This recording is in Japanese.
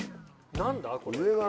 何だ？